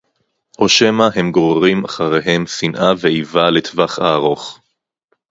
או שמא הם גוררים אחריהם שנאה ואיבה לטווח הארוך